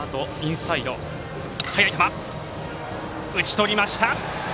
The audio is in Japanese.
打ちとりました。